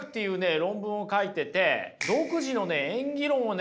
論文を書いてて独自のね演技論をね